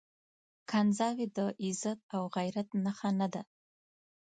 کنځاوي د عزت او غيرت نښه نه ده.